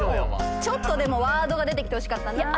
ちょっとでもワードが出てきてほしかったな。